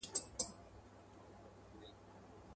نن به واخلي د تاریخ کرښي نومونه.